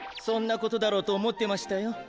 そんなことだろうとおもってましたよ。